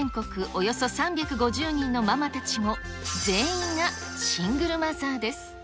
およそ３５０人のママたちも全員がシングルマザーです。